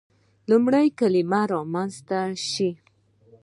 لومړی کلمه رامنځته شي.